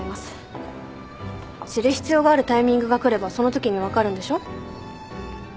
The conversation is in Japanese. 知る必要があるタイミングがくればそのときに分かるんでしょ？